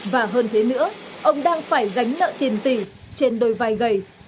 và hơn thế nữa ông đang phải gánh nợ tiền tỷ trên đôi vai gầy